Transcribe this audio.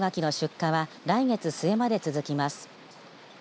次郎柿の出荷は来月末まで続きます。